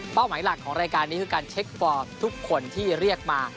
หมายหลักของรายการนี้คือการเช็คฟอร์มทุกคนที่เรียกมา